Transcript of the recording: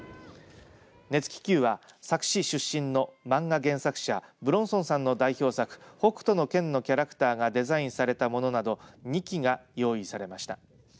熱気球は佐久市出身の漫画原作者武論尊さんの代表作北斗の拳のキャラクターがデザインされたものなど２機が用意されました。